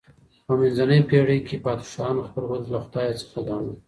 په منځنۍ پېړۍ کي پادشاهانو خپل قدرت له خدای څخه ګاڼه.